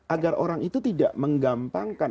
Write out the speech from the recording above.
agar orang itu tidak menggampangkan